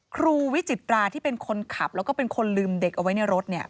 ครูวิจิตราที่เป็นคนขับแล้วก็เป็นคนลืมเด็กเอาไว้ในรถเนี่ย